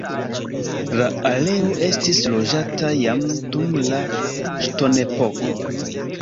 La areo estis loĝata jam dum la ŝtonepoko.